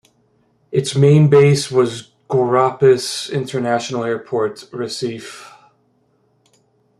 Its main base was Guararapes International Airport, Recife.